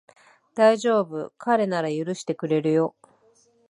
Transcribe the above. だいじょうぶ、彼なら許してくれるよ